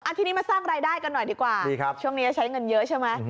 ทีนี้มาสร้างรายได้กันหน่อยดีกว่าช่วงนี้จะใช้เงินเยอะใช่ไหม